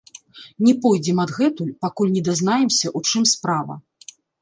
Не пойдзем адгэтуль, пакуль не дазнаемся, у чым справа.